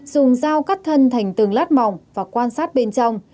dùng dao cắt thân thành từng lát mỏng và quan sát bên trong